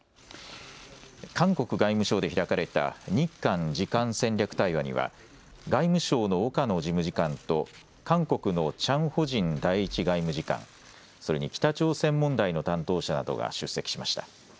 韓国外務省で開かれた日韓次官戦略対話には外務省の岡野事務次官と韓国のチャン・ホジン第１外務次官、それに北朝鮮問題の担当者などが出席しました。